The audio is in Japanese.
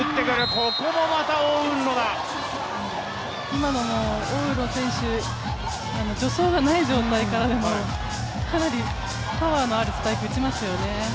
今のもオウ・ウンロ選手助走がない状態からでもかなりパワーのあるスパイク打ちますよね。